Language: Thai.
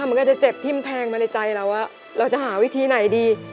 เหมือนกันจะเจ็บทิ้มแทงมาในใจเราว่าเราจะหาวิธีไหนดี